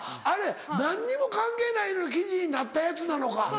あれ何にも関係ないのに記事になったやつなのか。